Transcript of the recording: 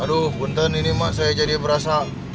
aduh benten ini mak saya jadi berasa